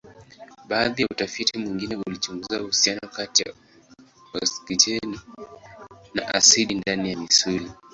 Baadhi ya utafiti mwingine alichunguza uhusiano kati ya oksijeni na asidi ndani ya misuli.